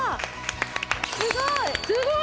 すごい！